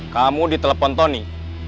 kamu di telepon tony